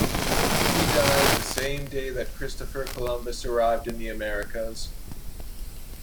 He died the same day that Christopher Columbus arrived in the Americas.